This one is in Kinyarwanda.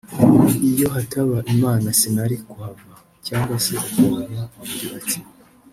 «Iyo hataba Imana sinari kuhava » cyangwa se ukumva undi ati